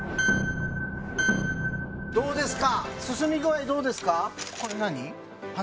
どうですか？